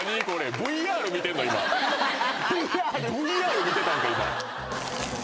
ＶＲ見てたんか⁉今。